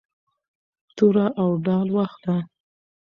توره او ډال واخله.